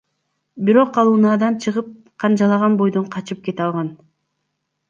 Бирок ал унаадан чыгып, канжалаган бойдон качып кете алган.